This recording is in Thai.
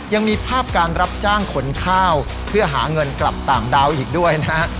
ยังมีภาพการรับจ้างขนข้าวเพื่อหาเงินกลับต่างดาวอีกด้วยนะฮะ